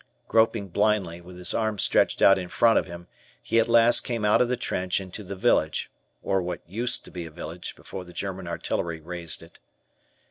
Groping blindly, with his arms stretched out in front of him, he at last came out of the trench into the village, or what used to be a village, before the German artillery razed it.